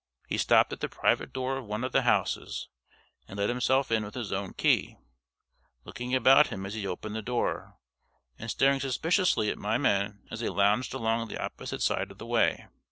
He stopped at the private door of one of the houses, and let himself in with his own key looking about him as he opened the door, and staring suspiciously at my men as they lounged along on the opposite side of the way.